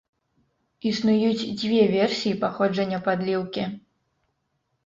Існуюць дзве версіі паходжання падліўкі.